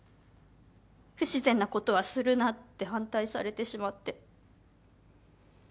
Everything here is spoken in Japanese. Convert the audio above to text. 「不自然なことはするな」って反対されてしまって。